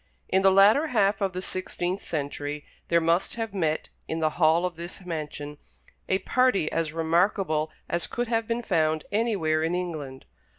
In the latter half of the sixteenth century there must have met, in the hall of this mansion, a party as remarkable as could have been found anywhere in England.